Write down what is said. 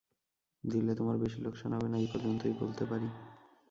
দিলে তোমার বেশি লোকসান হবে না, এই পর্যন্ত বলতে পারি।